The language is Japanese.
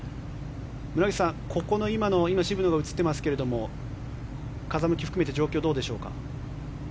村口さん、ここの今、渋野が映っていますが風向き含めて状況どうでしょうか。